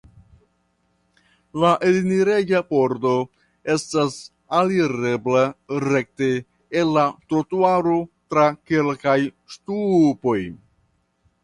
La enireja pordo estas alirebla rekte el la trotuaro tra kelkaj ŝtupoj.